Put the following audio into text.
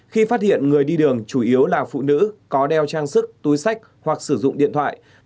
khi phát hiện người đi đường chủ yếu là phụ nữ có đeo trang sức túi sách hoặc sử dụng điện thoại